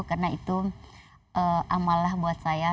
karena itu amalah buat saya